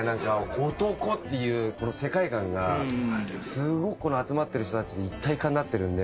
男っていう世界観がすごくこの集まってる人たちと一体化になってるんで。